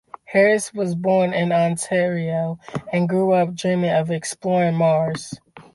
Harris was born in Ontario and grew up dreaming of exploring Mars.